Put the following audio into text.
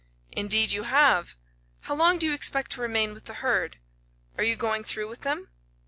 "Indeed you have. How long do you expect to remain with the herd? Are you going through with them?"